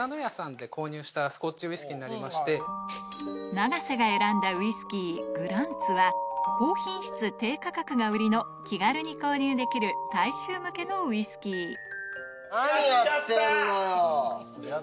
永瀬が選んだウイスキーグランツは高品質低価格が売りの気軽に購入できる大衆向けのウイスキー何やってんのよ。